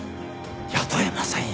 雇えませんよ